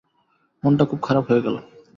মনটা খুব খারাপ হয়ে গেল।